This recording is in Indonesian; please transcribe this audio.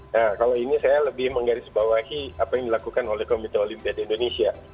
nah kalau ini saya lebih menggarisbawahi apa yang dilakukan oleh komite olimpiade indonesia